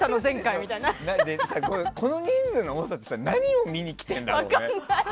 この人数の多さって何を見に来てるんだろうね。